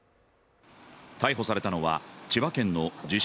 逮捕されたのは千葉県の自称